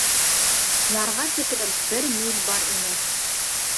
Ярға тиклем бер миль бар ине.